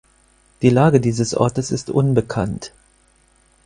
Die Lage dieses Ortes ist unbekannt.